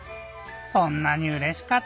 そんなにうれしかったのかぁ。